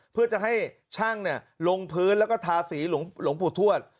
เพื่อจะให้ช่างลงพื้นแล้วก็ทาสีหลวงปู่ทวด